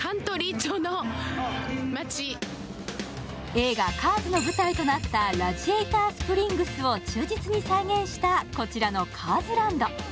映画「カーズ」の舞台となったラジエイタースプリングスを忠実に再現したこちらのカーズランド。